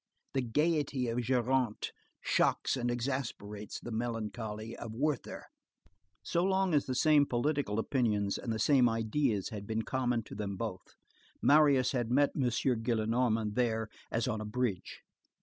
The gayety of Géronte shocks and exasperates the melancholy of Werther. So long as the same political opinions and the same ideas had been common to them both, Marius had met M. Gillenormand there as on a bridge.